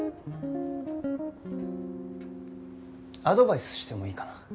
アドバイスしてもいいかな？